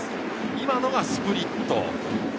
今のがスプリット。